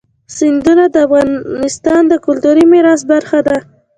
سیندونه د افغانستان د کلتوري میراث برخه ده.